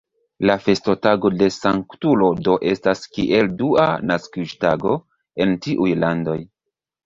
La festotago de Sanktulo do estas kiel dua naskiĝtago, en tiuj landoj.